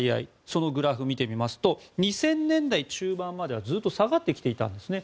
そのグラフを見てみますと２０００年代中盤まではずっと下がってきていたんですね。